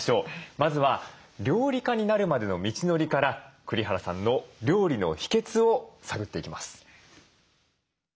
まずは料理家になるまでの道のりから栗原さんの料理の秘けつを探っていきます。